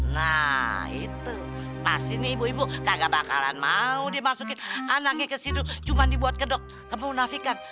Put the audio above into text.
nah itu pasti nih ibu ibu gak bakalan mau dimasukin anangnya ke situ cuma dibuat kedok ke munafikan